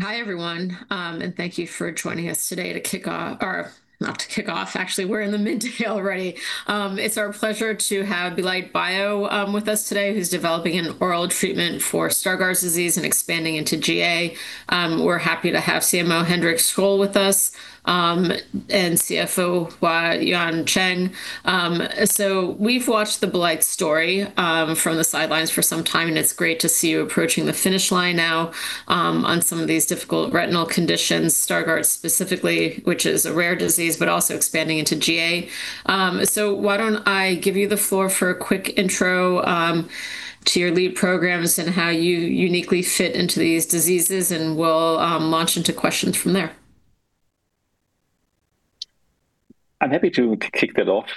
Hi, everyone, and thank you for joining us today to kick off, or not to kick off, actually. We're in the midday already. It's our pleasure to have Belite Bio with us today, who's developing an oral treatment for Stargardt disease and expanding into GA. We're happy to have CMO Hendrik Scholl with us, and CFO Hao-Yuan Chuang. We've watched the Belite story from the sidelines for some time, and it's great to see you approaching the finish line now on some of these difficult retinal conditions, Stargardt specifically, which is a rare disease, but also expanding into GA. Why don't I give you the floor for a quick intro to your lead programs and how you uniquely fit into these diseases, and we'll launch into questions from there. I'm happy to kick that off.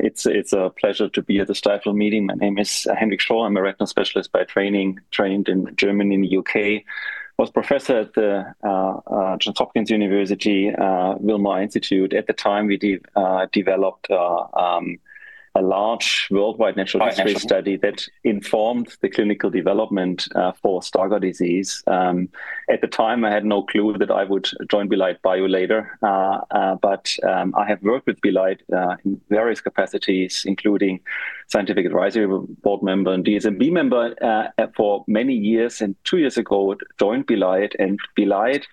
It's a pleasure to be at the Stifel meeting. My name is Hendrik Scholl. I'm a Retinal Specialist by training, trained in Germany and the U.K. Was professor at the Johns Hopkins University, Wilmer Eye Institute. At the time, we developed a large worldwide natural history study that informed the clinical development for Stargardt disease. At the time, I had no clue that I would join Belite Bio later. I have worked with Belite in various capacities, including Scientific Advisory Board Member and DSMB member for many years, and two years ago, joined Belite. Belite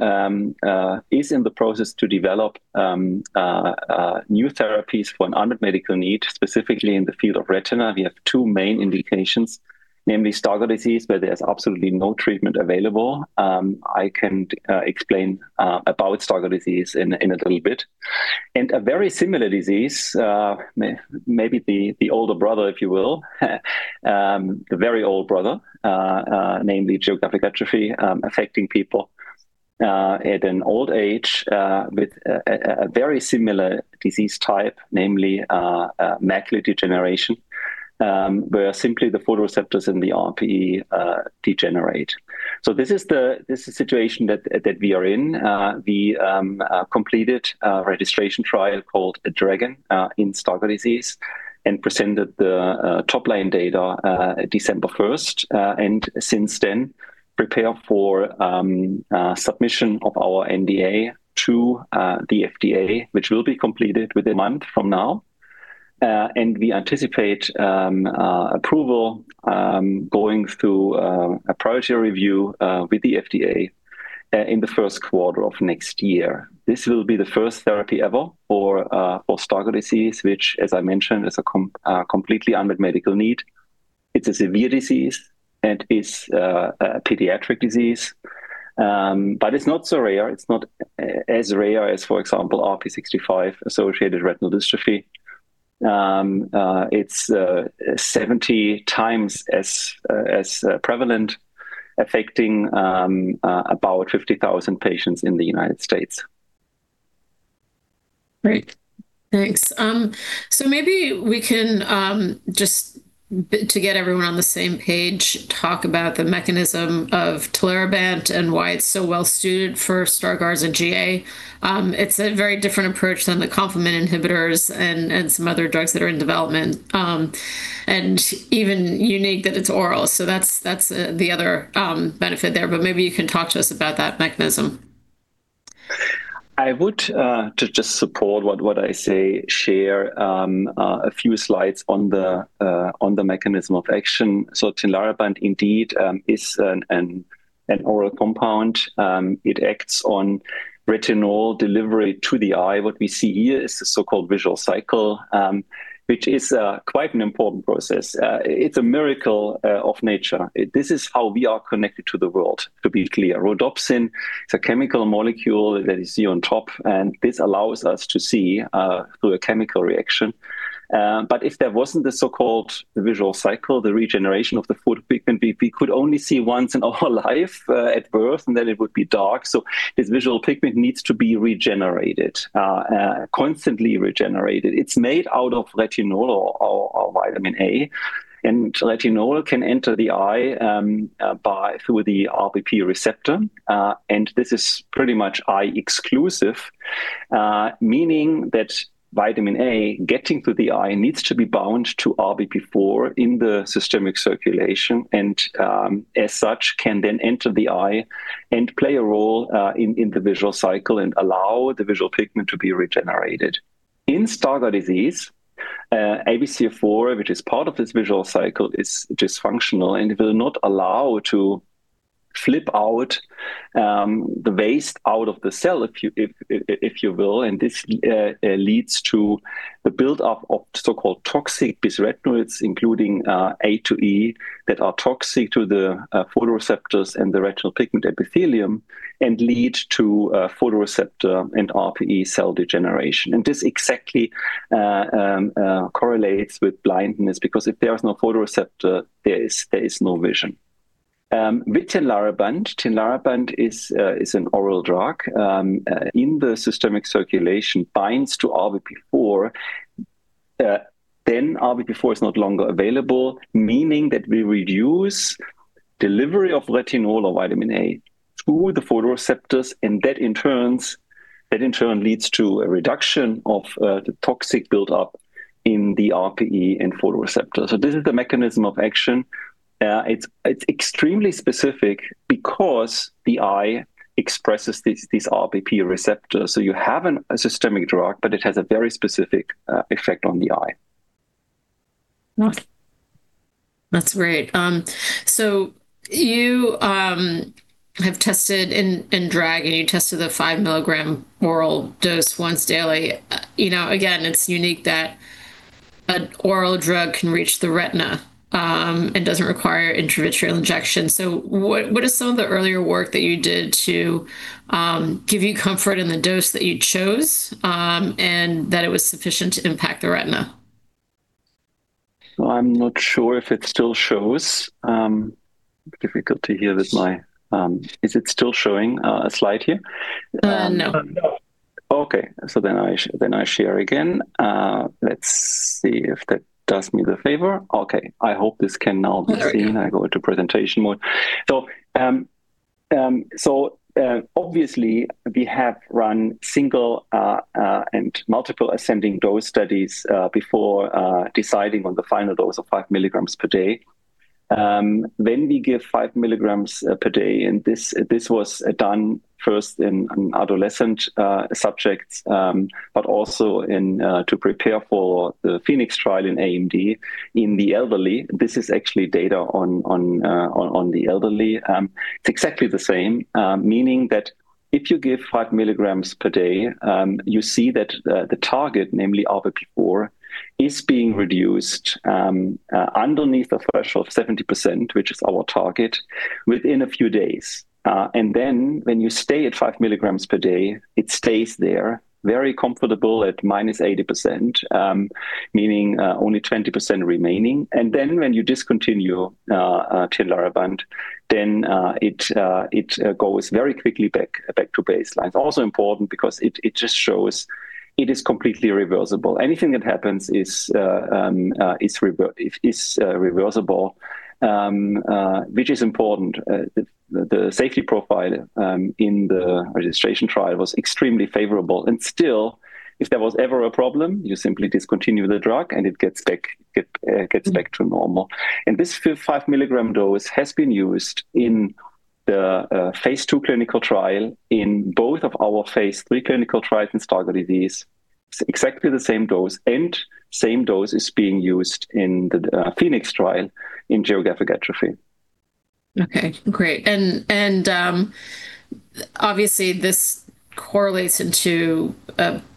is in the process to develop new therapies for an unmet medical need, specifically in the field of retina. We have two main indications, namely Stargardt disease, where there's absolutely no treatment available. I can explain about Stargardt disease in a little bit. A very similar disease, maybe the older brother if you will, the very old brother, namely geographic atrophy, affecting people at an old age, with a very similar disease type, namely macular degeneration, where simply the photoreceptors in the RPE degenerate. This is the situation that we are in. We completed a registration trial called DRAGON in Stargardt disease and presented the top-line data December 1st, and since then prepare for submission of our NDA to the FDA, which will be completed within a month from now. We anticipate approval, going through a priority review with the FDA in the first quarter of next year. This will be the first therapy ever for Stargardt disease, which, as I mentioned, is a completely unmet medical need. It's a severe disease, and it's a pediatric disease. It's not so rare. It's not as rare as, for example, RPE65-associated retinal dystrophy. It's 70 times as prevalent, affecting about 50,000 patients in the United States. Great. Thanks. Maybe we can, just to get everyone on the same page, talk about the mechanism of tinlarebant and why it's so well-suited for Stargardt and GA. It's a very different approach than the complement inhibitors and some other drugs that are in development, and even unique that it's oral. That's the other benefit there, but maybe you can talk to us about that mechanism. I would, to just support what I say, share a few slides on the mechanism of action. Tinlarebant indeed is an oral compound. It acts on retinol delivery to the eye. What we see here is the so-called visual cycle, which is quite an important process. It's a miracle of nature. This is how we are connected to the world. To be clear, rhodopsin, it's a chemical molecule that you see on top, and this allows us to see through a chemical reaction. If there wasn't the so-called visual cycle, the regeneration of the photopigment, we could only see once in our life at birth, and then it would be dark. This visual pigment needs to be regenerated, constantly regenerated. It's made out of retinol or vitamin A. Retinol can enter the eye through the RBP receptor, and this is pretty much eye exclusive, meaning that vitamin A getting through the eye needs to be bound to RBP4 in the systemic circulation, and as such, can then enter the eye and play a role in the visual cycle and allow the visual pigment to be regenerated. In Stargardt disease, ABCA4, which is part of this visual cycle, is dysfunctional and will not allow to flip out the waste out of the cell, if you will, and this leads to the buildup of so-called toxic bisretinoids, including A2E, that are toxic to the photoreceptors and the retinal pigment epithelium and lead to photoreceptor and RPE cell degeneration. This exactly correlates with blindness, because if there is no photoreceptor, there is no vision. With tinlarebant is an oral drug. In the systemic circulation, binds to RBP4, then RBP4 is no longer available, meaning that we reduce delivery of retinol or vitamin A to the photoreceptors, and that in turn leads to a reduction of the toxic buildup in the RPE and photoreceptor. This is the mechanism of action. Yeah. It's extremely specific because the eye expresses this RBP4 receptor. You have a systemic drug, but it has a very specific effect on the eye. That's great. You have tested in DRAGON, and you tested a 5 mg oral dose once daily. Again, it's unique that an oral drug can reach the retina and doesn't require intravitreal injection. What is some of the earlier work that you did to give you comfort in the dose that you chose, and that it was sufficient to impact the retina? I'm not sure if it still shows. Difficult to hear with my. Is it still showing a slide here? No. Okay. I share again. Let's see if that does me the favor. Okay, I hope this can now be seen. I go to presentation mode. Obviously we have run single and multiple ascending dose studies before deciding on the final dose of 5 mg per day. We give 5 mg per day, and this was done first in adolescent subjects, but also to prepare for the PHOENIX trial in AMD in the elderly. This is actually data on the elderly. It's exactly the same, meaning that if you give 5 mg per day, you see that the target, namely RBP4, is being reduced underneath the threshold of 70%, which is our target, within a few days. When you stay at 5 mg per day, it stays there, very comfortable at -80%, meaning only 20% remaining. Then when you discontinue tinlarebant, then it goes very quickly back to baseline. Also important because it just shows it is completely reversible. Anything that happens is reversible, which is important. The safety profile in the registration trial was extremely favorable. Still, if there was ever a problem, you simply discontinue the drug and it gets back to normal. This 5 mg dose has been used in the phase II clinical trial in both of our phase III clinical trials in Stargardt disease, exactly the same dose, and same dose is being used in the PHOENIX trial in geographic atrophy. Okay, great. Obviously, this correlates into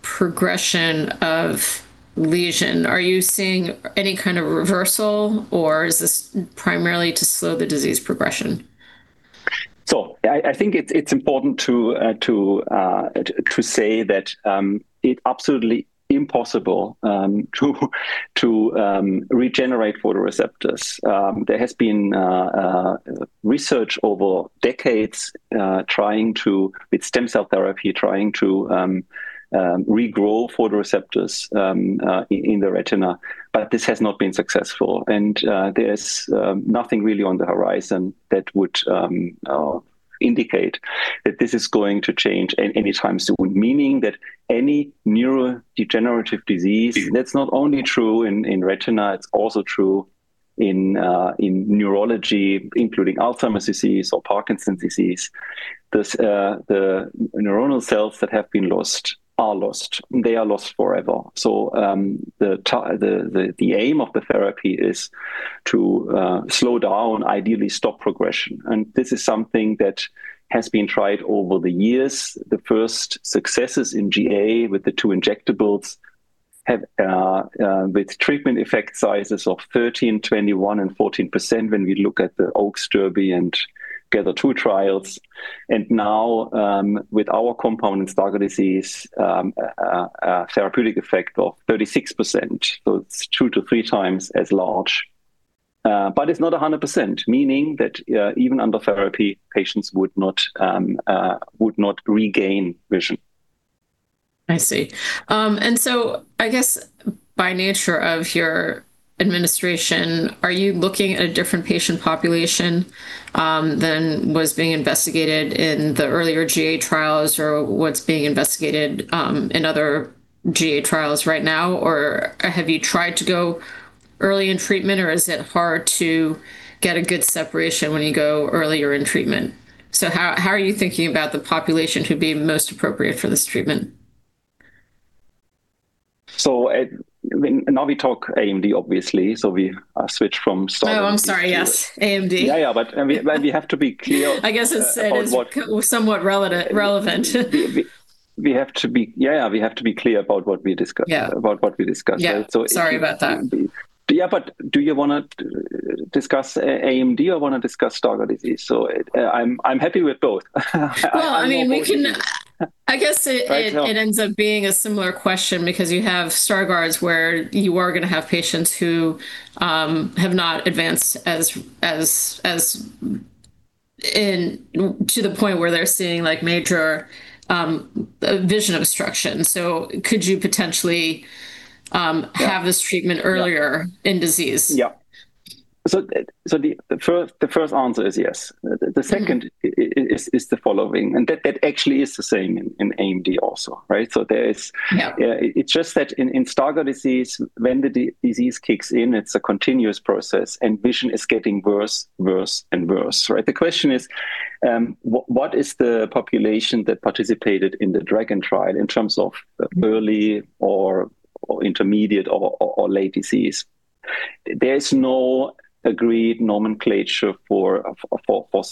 progression of lesion. Are you seeing any kind of reversal, or is this primarily to slow the disease progression? I think it's important to say that it's absolutely impossible to regenerate photoreceptors. There has been research over decades with stem cell therapy, trying to regrow photoreceptors in the retina, but this has not been successful. There's nothing really on the horizon that would indicate that this is going to change any time soon, meaning that any neurodegenerative disease, that's not only true in retina, it's also true in neurology, including Alzheimer's disease or Parkinson's disease. The neuronal cells that have been lost are lost, they are lost forever. The aim of the therapy is to slow down, ideally stop progression. This is something that has been tried over the years. The first successes in GA with the two injectables, with treatment effect sizes of 13%, 21%, and 14% when we look at the OAKS, DERBY, and GATHER2 trials. Now, with our compound in Stargardt disease, a therapeutic effect of 36%. It's two to three times as large. It's not 100%, meaning that even under therapy, patients would not regain vision. I see. I guess by nature of your administration, are you looking at a different patient population than was being investigated in the earlier GA trials or what's being investigated in other GA trials right now? Have you tried to go early in treatment, or is it hard to get a good separation when you go earlier in treatment? How are you thinking about the population who'd be most appropriate for this treatment? Now we talk AMD, obviously, so we switch from Stargardt disease. Oh, I'm sorry, yes. AMD Yeah. I guess it's somewhat relevant. Yeah. We have to be clear about what we discuss. Yeah. About what we discuss. Yeah. Sorry about that. Yeah, do you want to discuss AMD, or want to discuss Stargardt disease? I'm happy with both. Well, I guess it ends up being a similar question because you have Stargardts where you are going to have patients who have not advanced to the point where they're seeing like major vision obstruction. Could you potentially have this treatment earlier in disease? Yeah. The first answer is yes. The second is the following, and that actually is the same in AMD also. Yeah. It's just that in Stargardt disease, when the disease kicks in, it's a continuous process, and vision is getting worse and worse. The question is, what is the population that participated in the DRAGON trial in terms of early or intermediate or late disease? There's no agreed nomenclature for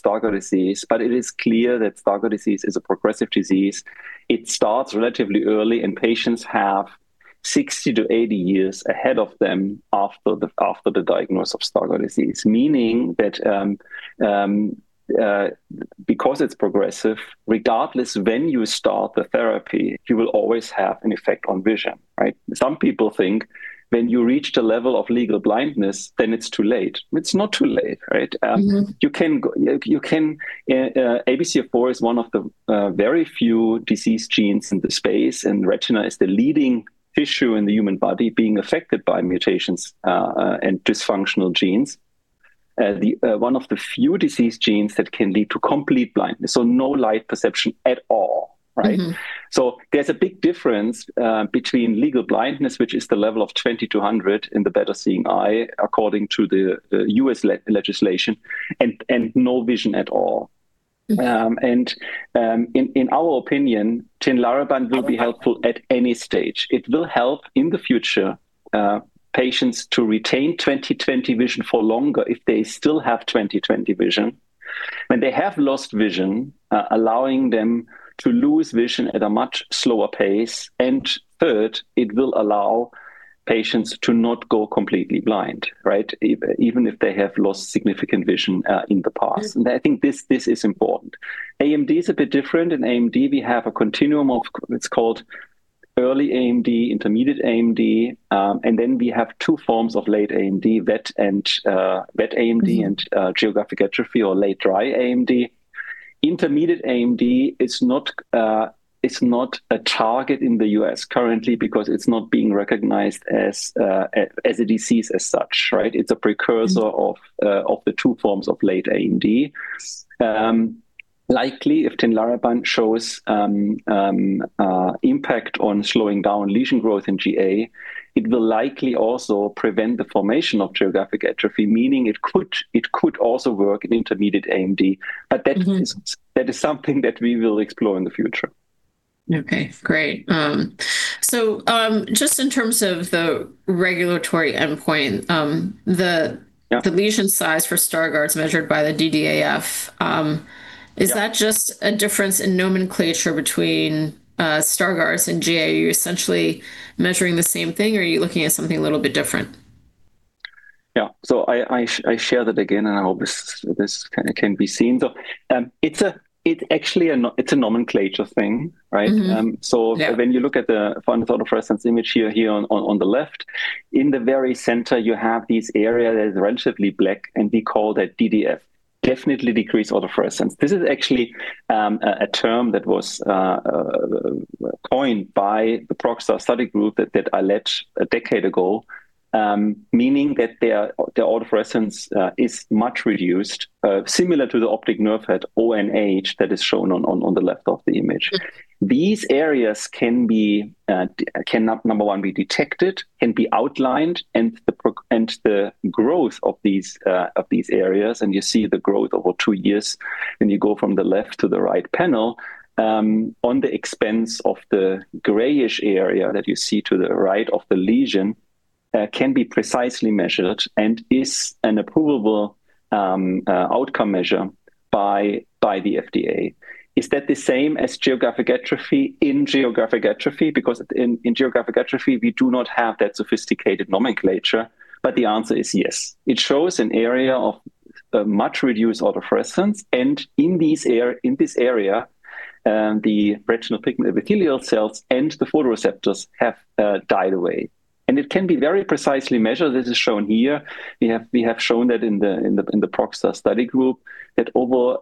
Stargardt disease, but it is clear that Stargardt disease is a progressive disease. It starts relatively early, and patients have 60 to 80 years ahead of them after the diagnosis of Stargardt disease, meaning that because it's progressive, regardless of when you start the therapy, you will always have an effect on vision. Some people think when you reach the level of legal blindness, then it's too late. It's not too late. ABCA4 is one of the very few disease genes in this space, and retina is the leading tissue in the human body being affected by mutations and dysfunctional genes. One of the few disease genes that can lead to complete blindness, so no light perception at all. There's a big difference between legal blindness, which is the level of 20/200 in the better seeing eye, according to the U.S. legislation, and no vision at all. In our opinion, tinlarebant will be helpful at any stage. It will help in the future, patients to retain 20/20 vision for longer if they still have 20/20 vision. When they have lost vision, allowing them to lose vision at a much slower pace. Third, it will allow patients to not go completely blind. Even if they have lost significant vision in the past. I think this is important. AMD is a bit different. In AMD, we have a continuum of what's called early AMD, intermediate AMD, and then we have two forms of late AMD, wet AMD and geographic atrophy or late dry AMD. Intermediate AMD is not a target in the U.S. currently because it's not being recognized as a disease as such. It's a precursor of the two forms of late AMD. Likely, if tinlarebant shows impact on slowing down lesion growth in GA, it will likely also prevent the formation of geographic atrophy, meaning it could also work in intermediate AMD. That is something that we will explore in the future. Okay, great. Just in terms of the regulatory endpoint, the lesion size for Stargardt measured by the DDAF. Is that just a difference in nomenclature between Stargardt and GA? You're essentially measuring the same thing, or are you looking at something a little bit different? Yeah. I share that again, and obviously, this can be seen. It's actually a nomenclature thing. Mm-hmm. Yeah. When you look at the fundus autofluorescence image here on the left, in the very center, you have this area that is relatively black, and we call that DDAF, definitely decreased autofluorescence. This is actually a term that was coined by the ProgStar study group that I led a decade ago, meaning that their autofluorescence is much reduced, similar to the optic nerve head, ONH, that is shown on the left of the image. These areas can, number one, be detected and be outlined. The growth of these areas, and you see the growth over two years when you go from the left to the right panel, on the expense of the grayish area that you see to the right of the lesion, can be precisely measured and is an approvable outcome measure by the FDA. Is that the same as geographic atrophy in geographic atrophy? Because in geographic atrophy, we do not have that sophisticated nomenclature, but the answer is yes. It shows an area of much-reduced autofluorescence, and in this area, the retinal pigment epithelial cells and the photoreceptors have died away. It can be very precisely measured. This is shown here. We have shown that in the ProgStar Study Group, that over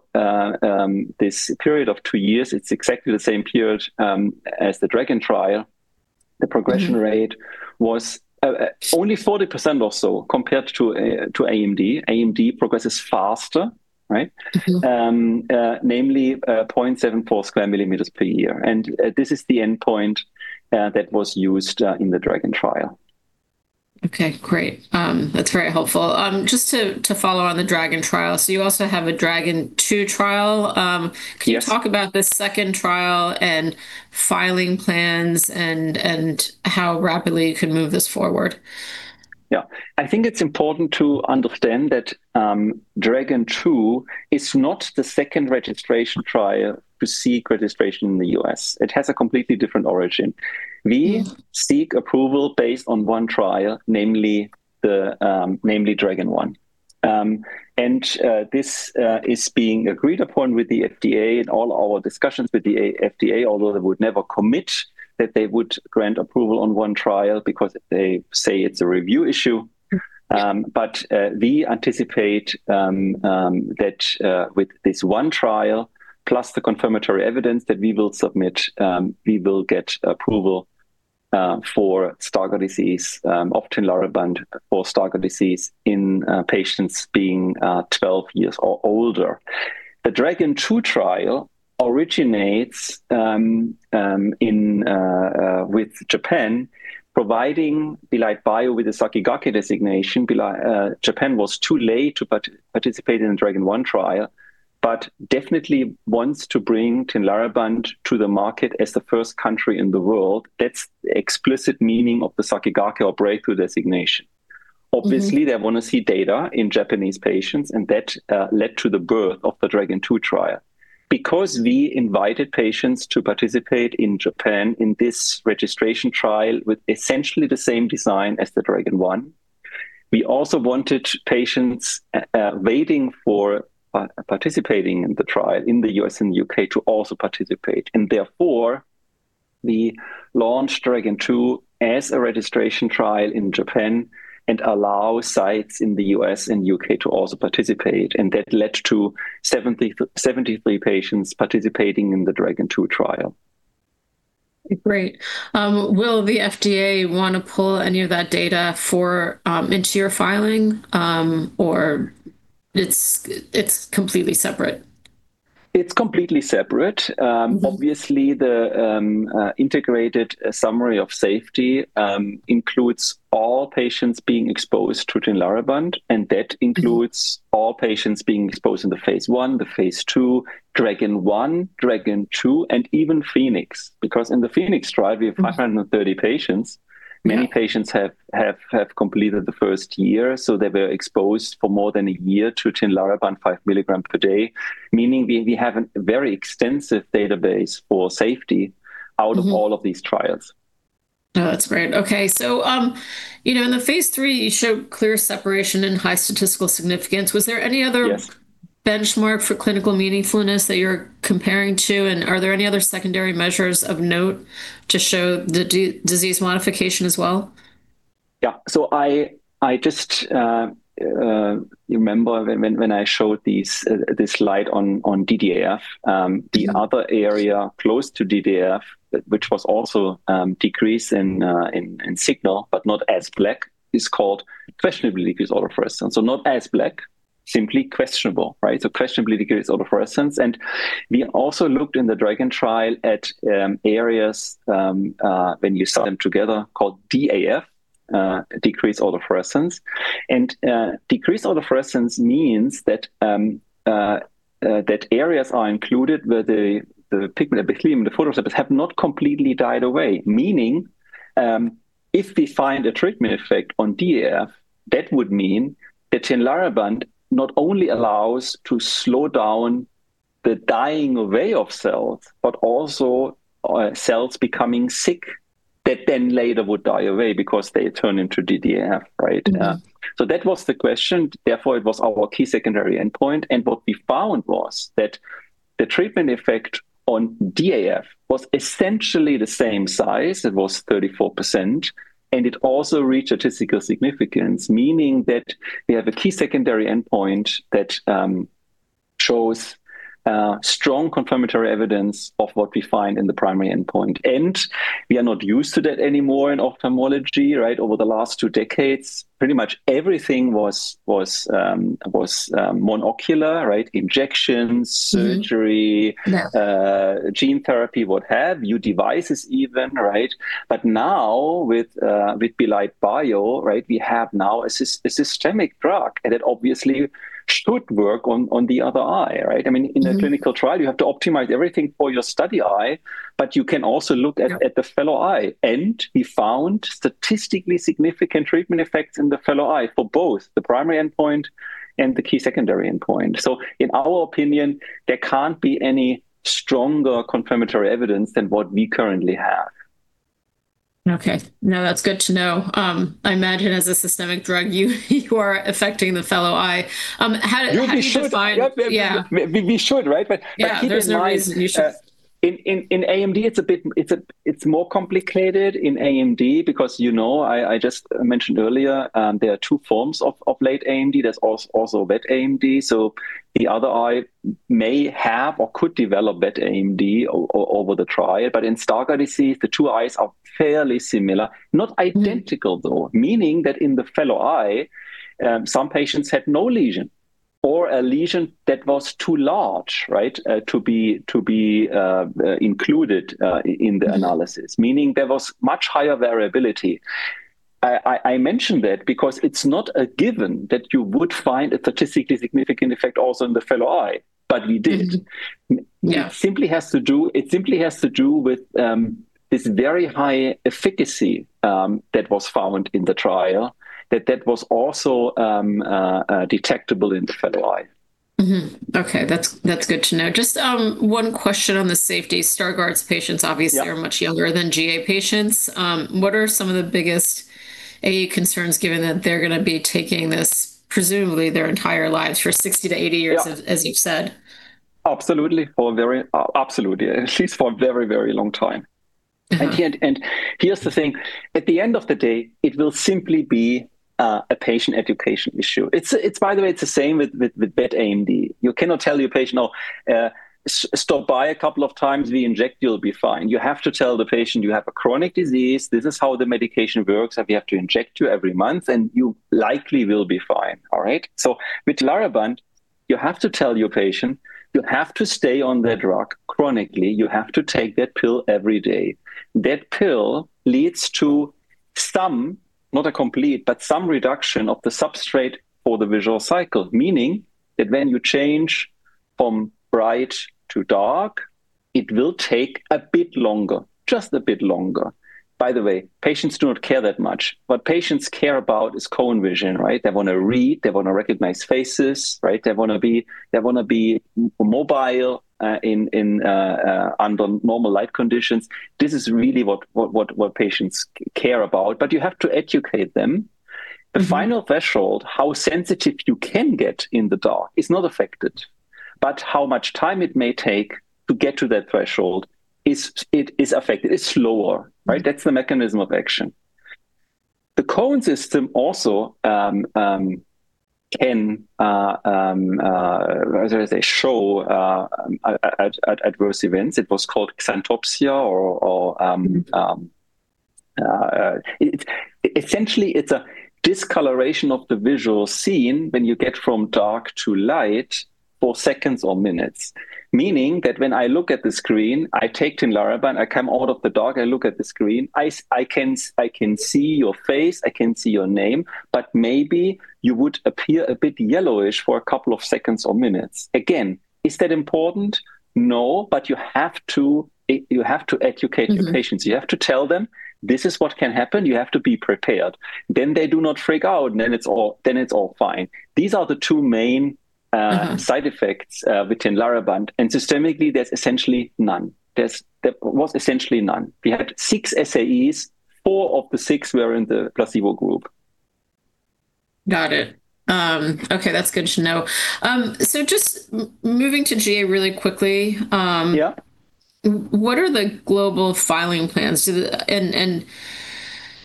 this period of two years, it's exactly the same period as the DRAGON trial. The progression rate was only 40% or so compared to AMD. AMD progresses faster. Namely, 0.74 sq m per year. This is the endpoint that was used in the DRAGON trial. Okay, great. That's very helpful. Just to follow on the DRAGON trial. You also have a DRAGON II trial. Can you talk about this second trial and filing plans, and how rapidly you can move this forward? Yeah. I think it's important to understand that DRAGON II is not the second registration trial to seek registration in the U.S. It has a completely different origin. We seek approval based on one trial, namely DRAGON. This is being agreed upon with the FDA in all our discussions with the FDA, although they would never commit that they would grant approval on one trial because they say it's a review issue. We anticipate that with this one trial, plus the confirmatory evidence that we will submit, we will get approval for Stargardt disease, of tinlarebant for Stargardt disease in patients being 12 years or older. The DRAGON II trial originates with Japan providing Belite Bio with a Sakigake designation. Japan was too late to participate in the DRAGON trial, but definitely wants to bring tinlarebant to the market as the first country in the world. That's the explicit meaning of the Sakigake, or breakthrough designation. Obviously, they want to see data in Japanese patients. That led to the birth of the DRAGON II trial. Because we invited patients to participate in Japan in this registration trial with essentially the same design as the DRAGON I, we also wanted patients waiting for participating in the trial in the U.S. and U.K. to also participate. Therefore, we launched DRAGON II as a registration trial in Japan and allow sites in the U.S. and U.K. to also participate. That led to 73 patients participating in the DRAGON II trial. Great. Will the FDA want to pull any of that data into your filing, or it's completely separate? It's completely separate. Okay. Obviously, the integrated summary of safety includes all patients being exposed to tinlarebant, and that includes all patients being exposed in the phase I, the phase II, DRAGON I, DRAGON II, and even PHOENIX. Because in the PHOENIX trial, we have 530 patients. Yeah. Many patients have completed the first year, they were exposed for more than a year to tinlarebant 5 mg per day, meaning we have a very extensive database for safety. out of all of these trials. No, that's great. Okay. In the phase III, you showed clear separation and high statistical significance. Was there any other? Yes benchmark for clinical meaningfulness that you're comparing to? Are there any other secondary measures of note to show disease modification as well? Yeah. I just remember when I showed this slide on DDAF, the other area close to DDAF, which was also decreased in signal but not as black, is called questionably decreased autofluorescence. Not as black, simply questionable. Questionably decreased autofluorescence. We also looked in the DRAGON at areas, when you sum together, called DAF, decreased autofluorescence. Decreased autofluorescence means that areas are included where the pigment, the melanin, the photoreceptor had not completely died away. Meaning, if we find a treatment effect on DAF, that would mean that tinlarebant not only allows to slow down the dying away of cells, but also cells becoming sick that then later would die away because they turn into DDAF. That was the question, therefore, it was our key secondary endpoint. What we found was that the treatment effect on DAF was essentially the same size, it was 34%, and it also reached statistical significance, meaning that we have a key secondary endpoint that shows strong confirmatory evidence of what we find in the primary endpoint. We are not used to that anymore in ophthalmology. Over the last two decades, pretty much everything was monocular. Injections- surgery- Yeah gene therapy, what have you, devices even. Now with Belite Bio, we have now a systemic drug. It obviously should work on the other eye. Yeah. In a clinical trial, you have to optimize everything for your study eye, but you can also look at the fellow eye. We found statistically significant treatment effects in the fellow eye for both the primary endpoint and the key secondary endpoint. In our opinion, there can't be any stronger confirmatory evidence than what we currently have. Okay. No, that's good to know. I imagine as a systemic drug, you are affecting the fellow eye. How do you decide? We should. Yeah. We should. I think it's nice. Yeah. There's no reason you shouldn't. in AMD, it's more complicated in AMD because I just mentioned earlier, there are two forms of late AMD. There's also wet AMD. The other eye may have or could develop wet AMD over the trial. In Stargardt disease, the two eyes are fairly similar. Not identical, though. Meaning that in the fellow eye, some patients had no lesion or a lesion that was too large to be included in the analysis. Yes. Meaning there was much higher variability. I mentioned that because it is not a given that you would find a statistically significant effect also in the fellow eye, but we did. Yeah. It simply has to do with this very high efficacy that was found in the trial, that that was also detectable in the fellow eye. Okay. That's good to know. Just one question on the safety. Stargardt's patients obviously are much younger than GA patients. What are some of the biggest SAE concerns given that they're going to be taking this presumably their entire lives for 60 to 80 years, as you said? Absolutely. Actually for a very, very long time. Okay. Here's the thing. At the end of the day, it will simply be a patient education issue. By the way, it's the same with wet AMD. You cannot tell your patient, "Stop by a couple of times, we inject, you'll be fine." You have to tell the patient, "You have a chronic disease. This is how the medication works, that we have to inject you every month, and you likely will be fine." With tinlarebant, you have to tell your patient, "You have to stay on that drug chronically. You have to take that pill every day." That pill leads to some, not a complete, but some reduction of the substrate for the visual cycle, meaning that when you change from bright to dark, it will take a bit longer. Just a bit longer. By the way, patients don't care that much. What patients care about is cone vision. They want to read, they want to recognize faces. They want to be mobile under normal light conditions. This is really what patients care about. You have to educate them. The final threshold, how sensitive you can get in the dark is not affected. How much time it may take to get to that threshold is affected. It's slower. That's the mechanism of action. The cone system also can, as I say, show adverse events. It was called xanthopsia or Essentially, it's a discoloration of the visual scene when you get from dark to light for seconds or minutes. Meaning that when I look at the screen, I take the tinlarebant, I come out of the dark, I look at the screen, I can see your face, I can see your name, but maybe you would appear a bit yellowish for a couple of seconds or minutes. Is that important? No, you have to educate the patients. You have to tell them, "This is what can happen. You have to be prepared." They do not freak out, it's all fine. These are the two main side effects with the tinlarebant. Systemically, there's essentially none. There was essentially none. We had six SAEs, four of the six were in the placebo group. Got it. Okay, that's good to know. Just moving to GA really quickly. Yep. What are the global filing plans?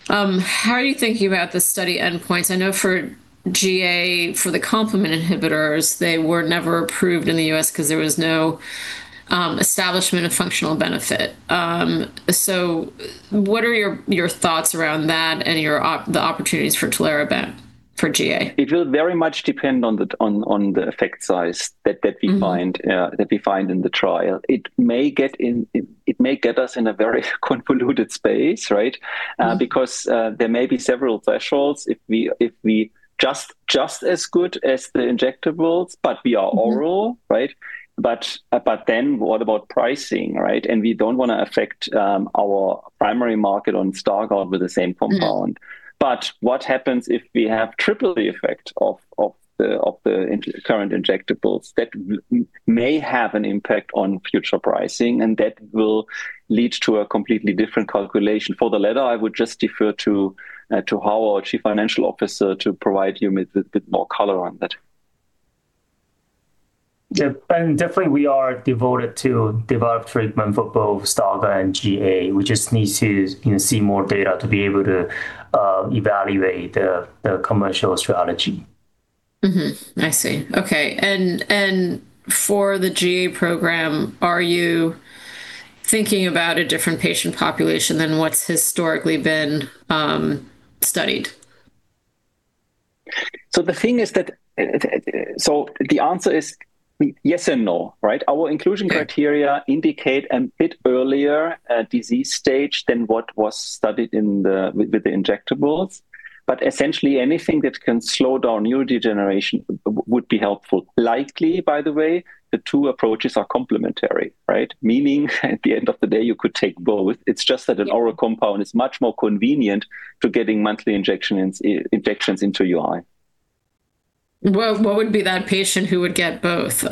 How are you thinking about the study endpoints? I know for GA, for the complement inhibitors, they were never approved in the U.S. because there was no establishment of functional benefit. What are your thoughts around that and the opportunities for tinlarebant for GA? It will very much depend on the effect size that we find in the trial. It may get us in a very convoluted space. Because there may be several thresholds if we just as good as the injectables, but we are oral. What about pricing? We don't want to affect our primary market on Stargardt with the same compound. What happens if we have triple the effect of the current injectables? That may have an impact on future pricing, and that will lead to a completely different calculation. For the latter, I would just defer to Hao-Yuan Chuang, our Chief Financial Officer, to provide you with a bit more color on that. Definitely, we are devoted to develop treatment for both Stargardt and GA. We just need to see more data to be able to evaluate the commercial strategy. I see. Okay. For the GA program, are you thinking about a different patient population than what's historically been studied? The answer is yes and no. Our inclusion criteria indicate a bit earlier disease stage than what was studied with the injectables. Essentially, anything that can slow down neurodegeneration would be helpful. Likely, by the way, the two approaches are complementary. Meaning, at the end of the day, you could take both. It's just that an oral compound is much more convenient to getting monthly injections into your eye. What would be that patient who would get both?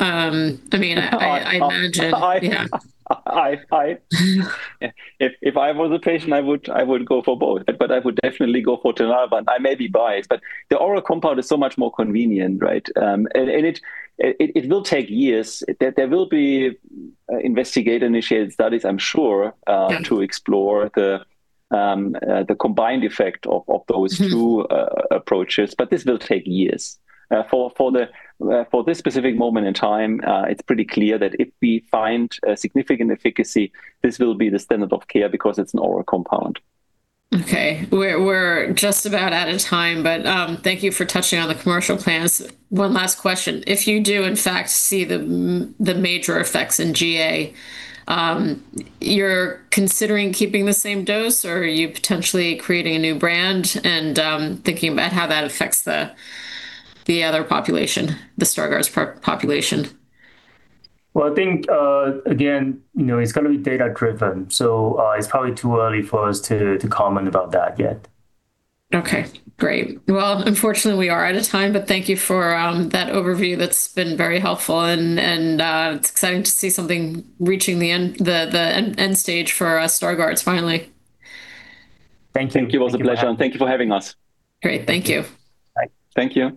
If I was a patient, I would go for both. I would definitely go for the tinlarebant. I may be biased, but the oral compound is so much more convenient. It will take years. There will be investigator-initiated studies, I'm sure. Yeah to explore the combined effect of those two approaches, but this will take years. For this specific moment in time, it is pretty clear that if we find a significant efficacy, this will be the standard of care because it is an oral compound. Okay. We're just about out of time. Thank you for touching on the commercial plans. One last question. If you do in fact see the major effects in GA, you're considering keeping the same dose, or are you potentially creating a new brand and thinking about how that affects the other population, the Stargardt population? Well, I think, again, it's going to be data-driven. It's probably too early for us to comment about that yet. Okay. Great. Well, unfortunately, we are out of time, but thank you for that overview. That has been very helpful and exciting to see something reaching the end stage for Stargardts finally. Thank you. It was a pleasure. Thank you for having us. Great. Thank you. Thank you.